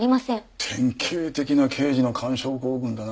典型的な刑事の勘症候群だな。